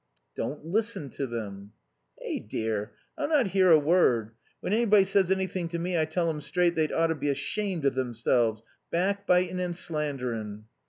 "Don't listen to them." "Eh dear, I'll not 'ear a word. When anybody says anything to me I tell 'em straight they'd oughter be ashamed of themselves, back bitin' and slanderin'."